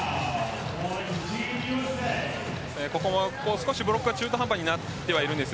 少しブロックが中途半端になってはいるんです。